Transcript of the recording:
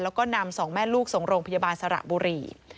แล้วก็นำ๒แม่ลูกสทธิ์สรงโรงพยาบาลสระบุรี